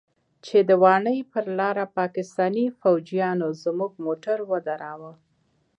چې د واڼې پر لاره پاکستاني فوجيانو زموږ موټر ودراوه.